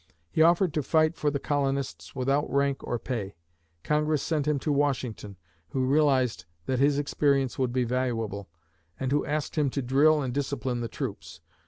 He offered to fight for the colonists without rank or pay. Congress sent him to Washington, who realized that his experience would be valuable, and who asked him to drill and discipline the troops.